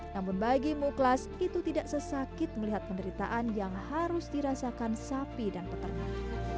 namun bagi muklas itu tidak sesakit melihat penderitaan yang harus dirasakan sapi dan peternak